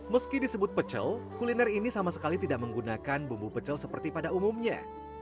meski disebut pecel kuliner ini sama sekali tidak menggunakan bumbu pecel seperti pada umumnya